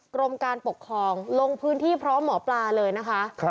กรมการปกครองลงพื้นที่พร้อมหมอปลาเลยนะคะ